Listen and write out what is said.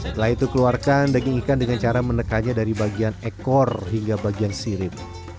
setelah itu keluarkan daging ikan dengan cara menekannya dari bagian ekor hingga bagian sirip